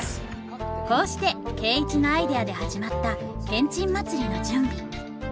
こうして圭一のアイデアで始まったけんちん祭りの準備。